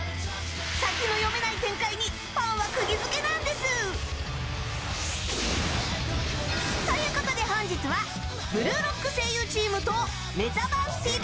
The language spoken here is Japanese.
先の読めない展開にファンは釘付けなんです！ということで本日は「ブルーロック」声優チームと「メタバースＴＶ！！」